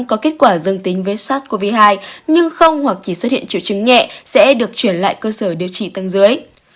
có kết quả dương tính với sars cov hai nhưng không hoặc chỉ xuất hiện triệu chứng nhẹ sẽ được chuyển lại cơ sở điều trị tăng dưới